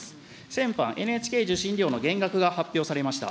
先般、ＮＨＫ受信料の減額が発表されました。